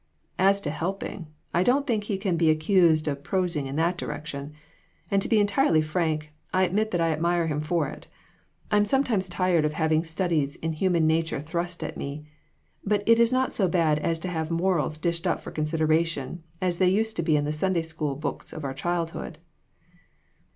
"As to helping, I don't think he can be accused of prosing in that direction ; and to be entirely frank, I admit that I admire him for it. I'm sometimes tired of having studies in human nature thrust at me, but it is not so bad as to have morals dished up for consideration, as they used to be in the Sunday School books of our childhood."